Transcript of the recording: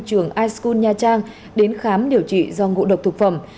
trường ischun nha trang đến khám điều trị do ngộ độc thực phẩm